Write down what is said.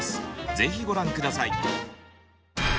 ぜひご覧下さい。